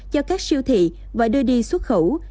cho các siêu thị và đưa đi xuất khẩu